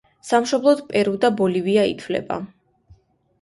სამშობლოდ პერუ და ბოლივია ითვლება.